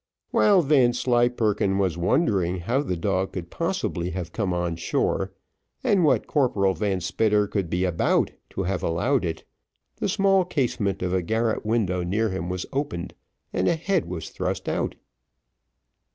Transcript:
While Vanslyperken was wondering how the dog could possibly have come on shore, and what Corporal Van Spitter could be about to have allowed it, the small casement of a garret window near him was opened, and a head was thrust out.